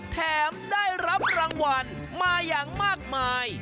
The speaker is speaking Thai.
แถมได้รับรางวัลมาอย่างมากมาย